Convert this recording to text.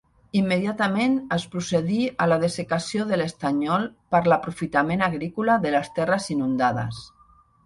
Immediatament es procedí a la dessecació de l'estanyol per l'aprofitament agrícola de les terres inundades.